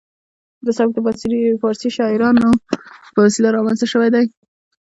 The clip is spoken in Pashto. دا سبک د پارسي ژبو شاعرانو په وسیله رامنځته شوی دی